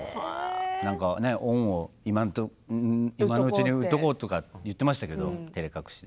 恩を今のうちに売っておこうとか言っていましたけどてれ隠しで。